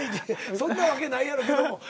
そんなわけないやろうけども。